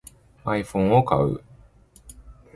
iPhone を買う